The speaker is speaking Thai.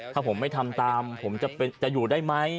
ถ้าผมไม่ทำตามผมจะอยู่ได้ไหม